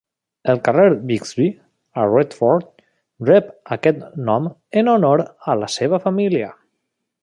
El carrer Bigsby, a Retford, rep aquest nom en honor a la seva família.